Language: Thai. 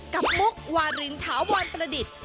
กับมุกวาลินท้าววรประดิษฐ์